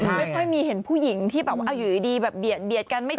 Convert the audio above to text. ไม่ค่อยมีเห็นผู้หญิงที่อยู่ดีแบบเบียดกันไม่ถูกใจกัน